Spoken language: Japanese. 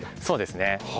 そうですね。